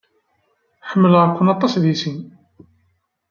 Ḥemmleɣ-ken aṭas di sin.